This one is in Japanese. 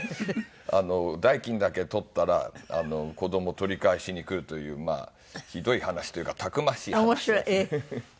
代金だけ取ったら子供取り返しにくるというまあひどい話というかたくましい話ですね。